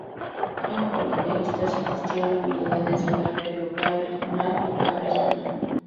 Eran politeístas y existieron divinidades de carácter local, regional y pan-regional.